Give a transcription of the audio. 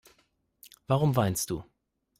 Warum weinst du?